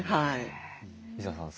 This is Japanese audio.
一田さん